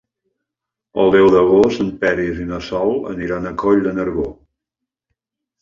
El deu d'agost en Peris i na Sol aniran a Coll de Nargó.